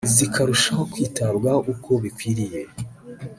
zikarushaho kwitabwaho uko bikwiriye